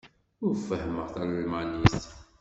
Ur fehhmeɣ talmanit.